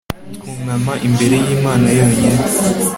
twunama imbere y'imana yonyine